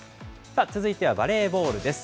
続いてはバレーボールです。